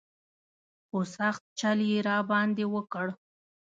خو سخت چل یې را باندې وکړ.